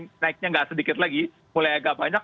supaya kalau nanti naiknya tidak sedikit lagi mulai agak banyak